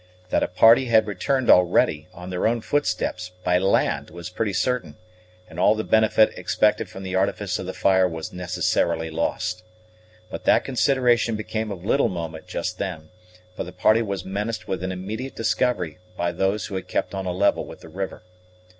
That a party had returned already, on their own footsteps, by land, was pretty certain; and all the benefit expected from the artifice of the fire was necessarily lost. But that consideration became of little moment just then; for the party was menaced with an immediate discovery by those who had kept on a level with the river.